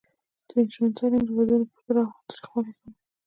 د نجونو تعلیم د ودونو تاوتریخوالی کموي.